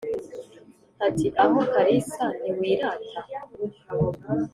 Ati: "Aho Kalisa ntiwirata?